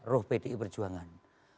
ruh pdi perjuangan